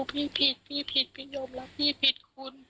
พี่ผิดพี่ผิดพี่ยอมรับพี่ผิดคุณ